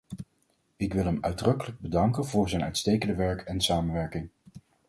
Ik wil hem uitdrukkelijk bedanken voor zijn uitstekende werk en samenwerking.